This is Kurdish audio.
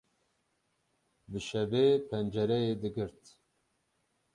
Bi şevê pencereyê digirt.